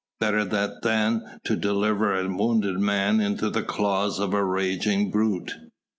Better that than to deliver a wounded man into the claws of a raging brute.